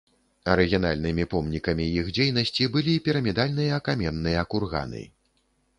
Арыгінальнымі помнікамі іх дзейнасці былі пірамідальныя каменныя курганы.